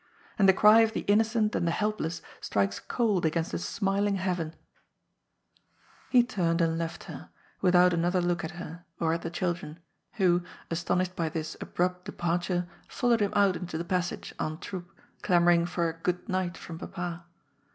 And the cry of the innocent and the helpless strikes cold against a smiling heaven." BLIND JUSTICE. 353 He tamed and left her, without another look at her, or at the children, who, astonished by this abrupt departure, followed him out into the passage, en troupe, clamouring for a " Good night " from papa.